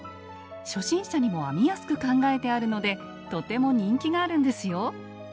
初心者にも編みやすく考えてあるのでとても人気があるんですよ。